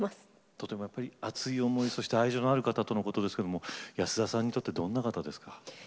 とても熱い思い愛情のある方とのことですけど保田さんにとってどんな方ですか？